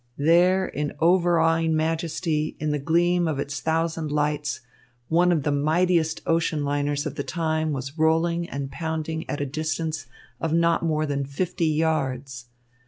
There, in overawing majesty, in the gleam of its thousand lights, one of the mightiest ocean liners of the time was rolling and pounding at a distance of not more than fifty yards.